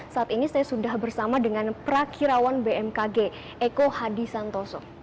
saat ini saya sudah bersama dengan prakirawan bmkg eko hadi santoso